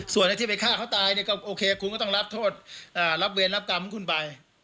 ส่วนที่ไปฆ่าเขาตายก็โอเคคุณก็ต้องรับโทษรับเวรรับกรรมขึ้นไป